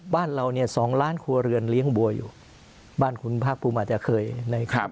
บ้านเราเนี่ยสองล้านครัวเรือนเลี้ยงบัวอยู่บ้านคุณภาคภูมิอาจจะเคยในครับ